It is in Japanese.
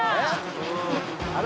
あれ？